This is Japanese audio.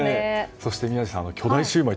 そして宮司さんは巨大シューマイ